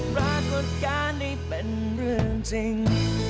ให้รักกดการณ์ได้เป็นเรื่องจริง